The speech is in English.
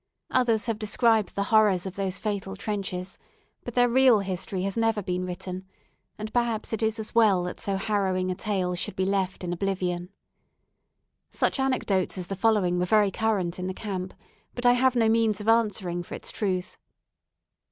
Others have described the horrors of those fatal trenches; but their real history has never been written, and perhaps it is as well that so harrowing a tale should be left in oblivion. Such anecdotes as the following were very current in the Camp, but I have no means of answering for its truth.